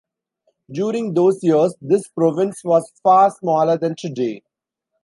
During those years this province was far smaller than today.